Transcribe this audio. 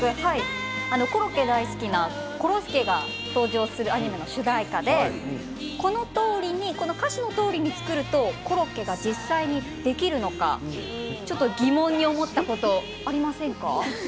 コロッケ大好きなコロ助が登場するアニメの主題歌で、このとおり歌詞のとおりに作るとコロッケが実際にできるのかちょっと疑問に思ったことありませんか？